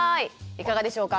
いかがでしょうか？